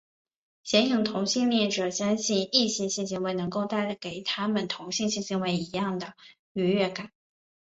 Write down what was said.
鲜有同性恋者相信异性性行为能带给他们跟同性性行为一样的愉悦感。